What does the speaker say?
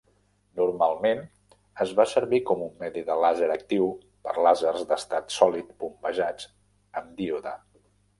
Normalment es va servir com un medi de làser actiu per làsers d'estat sòlid bombejats amb díode.